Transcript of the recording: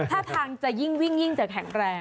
ถ้าทางจะยิ่งวิ่งยิ่งจะแข็งแรง